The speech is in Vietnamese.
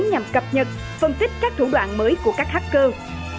nhằm cập nhật phân tích các thủ đoạn mới của các hacker